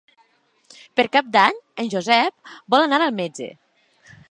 Per Cap d'Any en Josep vol anar al metge.